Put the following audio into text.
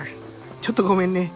ちょっとごめんね。